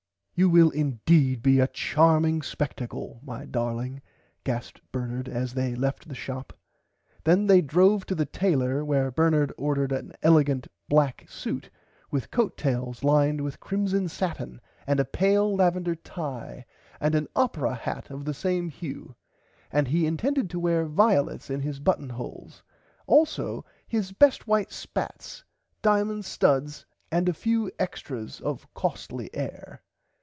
You will indeed be a charming spectacle my darling gasped Bernard as they left the shop. Then they drove to the tailor where Bernard ordered an elligant black suit with coat tails lined with crimson satin and a pale lavender tie and an opera hat of the same hue and he intended to wear violets in his buttonholes also his best white spats diamond studs and a few extras of costly air.